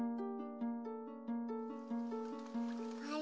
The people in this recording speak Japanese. あれ？